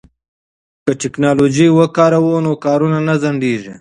که ټیکنالوژي وکاروو نو کارونه نه ځنډیږي.